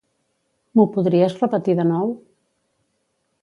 M'ho podries repetir de nou?